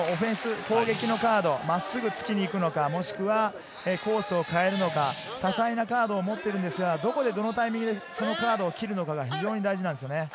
ディフェンス、オフェンスのカード、真っすぐ突きにいくのか、コースを変えるのか、多彩なカードを持っているんですが、どのタイミングでそのカードを切るのかが非常に大事です。